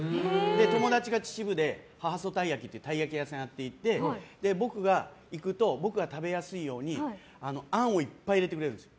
友達が秩父でたい焼き屋さんやっていて僕が行くと僕が食べやすいようにあんをいっぱい入れてくれるんです。